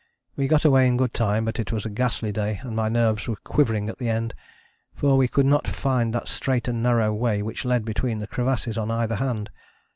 We got away in good time, but it was a ghastly day and my nerves were quivering at the end, for we could not find that straight and narrow way which led between the crevasses on either hand.